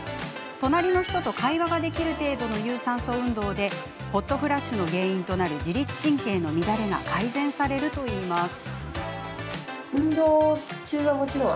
隣の人と会話ができる程度の有酸素運動でホットフラッシュの原因となる自律神経の乱れが改善されるといいます。